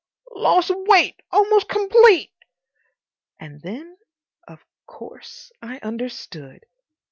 "Loss of weight—almost complete." And then, of course, I understood.